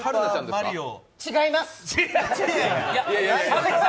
違います！